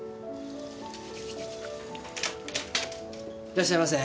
いらっしゃいませ。